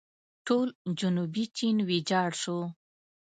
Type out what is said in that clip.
ټول جنوبي چین ویجاړ شو.